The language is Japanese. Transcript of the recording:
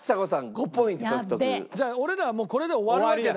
じゃあ俺らはもうこれで終わるわけだね。